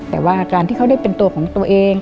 แต่ว่าการที่เขาได้เป็นตัวของตัวเอง